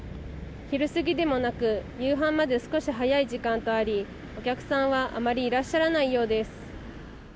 昼過ぎでもなく夕飯まで少し早い時間とありお客さんはあまりいらっしゃらないようです。